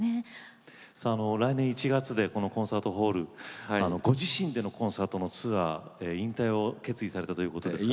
来年１月でこのコンサートホールご自身でのコンサートツアー引退を決意されたということですが。